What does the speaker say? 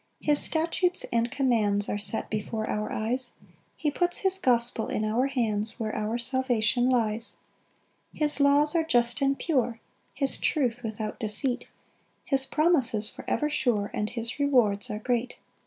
5 His statutes and commands Are set before our eyes; He puts his gospel in our hands, Where our salvation lies. 6 His laws are just and pure, His truth without deceit, His promises for ever sure, And his rewards are great.